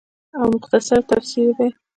او مختصر تفسير دے